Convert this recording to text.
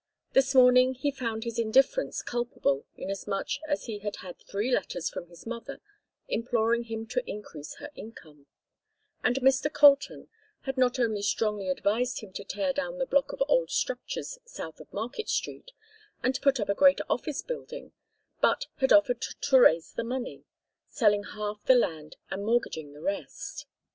This morning he found his indifference culpable, inasmuch as he had had three letters from his mother imploring him to increase her income, and Mr. Colton had not only strongly advised him to tear down the block of old structures south of Market Street, and put up a great office building, but had offered to raise the money selling half the land and mortgaging the rest.